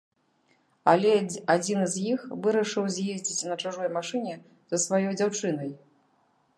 Але адзін з іх вырашыў з'ездзіць на чужой машыне за сваёй дзяўчынай.